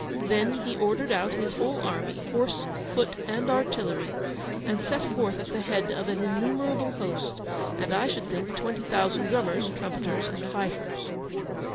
Then he ordered out his whole army, horse, foot, and artillery; and set forth at the head of an innumerable host, and I should think twenty thousand drummers, trumpeters, and fifers.